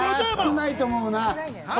少ないと思うな。